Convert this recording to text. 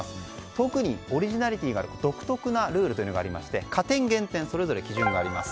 特にオリジナリティーがある独特なルールがありまして加点、減点それぞれ基準があります。